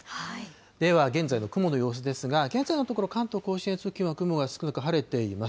では現在の雲の様子ですが、現在のところ、関東甲信越付近は雲が少なく、晴れています。